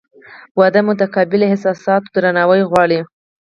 • واده د متقابل احساساتو درناوی غواړي.